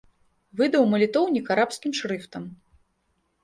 Выдаў малітоўнік арабскім шрыфтам.